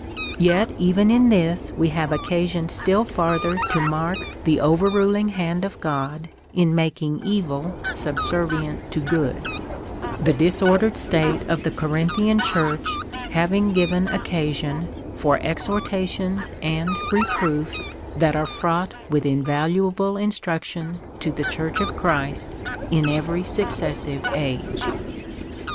Yet even in this we have occasion still farther to mark the over iniling hand of God in making evil subsement to good — the disordered state of the Corinthian Church having given occasion for exhortations and reproofs that are fraught with invaluable instruction to the Church of Christ in every suc cessive age.